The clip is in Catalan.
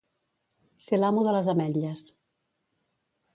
Ser l'amo de les ametlles.